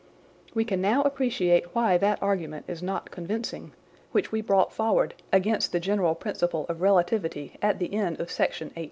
We can now appreciate why that argument is not convincing, which we brought forward against the general principle of relativity at theend of Section 18.